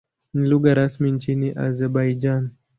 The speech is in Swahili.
Ni lugha rasmi nchini Azerbaijan.